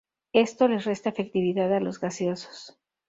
Esto les resta efectividad a los gaseosos.